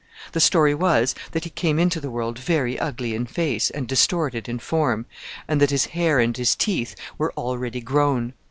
The story was that he came into the world very ugly in face and distorted in form, and that his hair and his teeth were already grown.